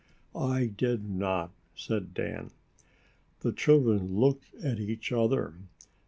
"I did not," said Dan. The children looked at each other.